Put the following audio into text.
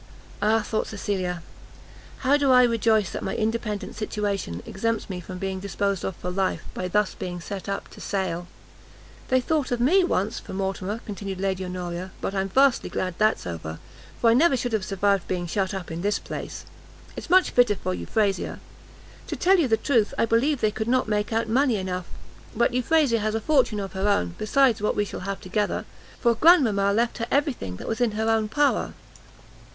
Ah, thought Cecilia, how do I rejoice that my independent situation exempts me from being disposed of for life, by thus being set up to sale! "They thought of me, once, for Mortimer," continued Lady Honoria, "but I'm vastly glad that's over, for I never should have survived being shut up in this place; it's much fitter for Euphrasia. To tell you the truth, I believe they could not make out money enough; but Euphrasia has a fortune of her own, besides what we shall have together, for Grandmama left her every thing that was in her own power."